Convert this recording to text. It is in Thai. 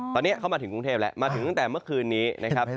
ตอนนี้เข้ามาถึงกรุงเทพแล้วมาถึงตั้งแต่เมื่อคืนนี้นะครับ